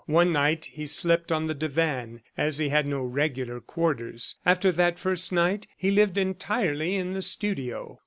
One night, he slept on the divan, as he had no regular quarters. After that first night, he lived entirely in the studio.